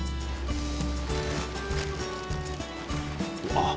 あっ！